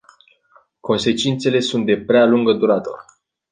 Consecințele sunt de prea lungă durată.